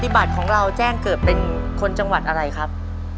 บัตรของเราแจ้งเกิดเป็นคนจังหวัดอะไรครับ